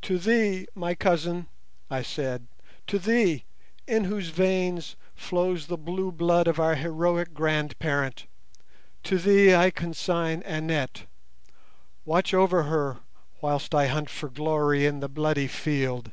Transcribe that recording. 'To thee, my cousin,' I said, 'to thee, in whose veins flows the blue blood of our heroic grandparent, to thee I consign Annette. Watch over her whilst I hunt for glory in the bloody field.